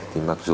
thì mặc dù là